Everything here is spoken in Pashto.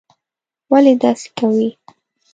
ولي داسې کوې?